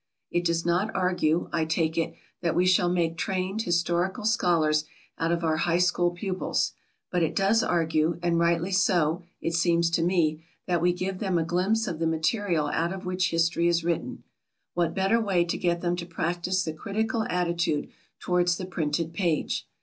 It does not argue, I take it, that we shall make trained historical scholars out of our high school pupils; but it does argue and rightly so, it seems to me that we give them a glimpse of the material out of which history is written. What better way to get them to practice the critical attitude towards the printed page?